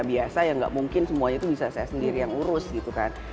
biasa ya nggak mungkin semuanya itu bisa saya sendiri yang urus gitu kan